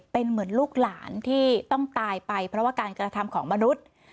เป็นเหมือนลูกหลานที่ต้องตายไปเพราะว่าการกระทำของมนุษย์